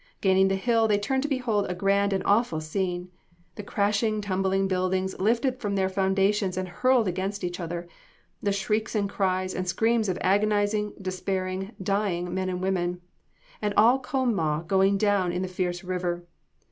Gaining the hill they turned to behold a grand and awful scene the crashing, tumbling buildings lifted from their foundations and hurled against each other; the shrieks and cries and screams of agonizing, despairing, dying men and women, and all Conemaugh going down in the fierce river.